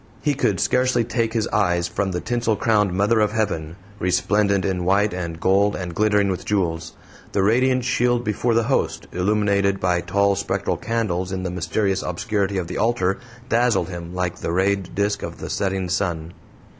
He could scarcely take his eyes from the tinsel crowned Mother of Heaven, resplendent in white and gold and glittering with jewels; the radiant shield before the Host, illuminated by tall spectral candles in the mysterious obscurity of the altar, dazzled him like the rayed disk of the setting sun.